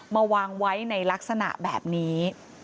วางไว้ในลักษณะแบบนี้